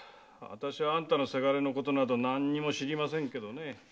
私はあんたのせがれのことなど何も知りませんけどね。